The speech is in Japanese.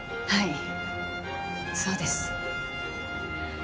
はい。